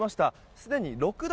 すでに６台